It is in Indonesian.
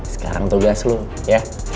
sekarang tugas lo ya